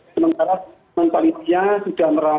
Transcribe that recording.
sementara pantia ketiga sudah merangkul